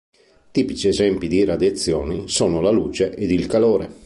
Tipici esempi di radiazioni sono la luce ed il calore.